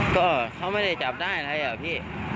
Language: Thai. ก็เขาไม่ได้จับได้อย่างไรหรือพี่